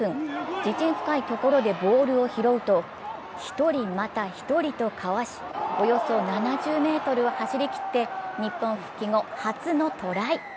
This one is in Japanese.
自陣深いところでボールを披露と１人、また１人とかわしおよそ７０ｍを走りきって日本復帰後、初のトライ。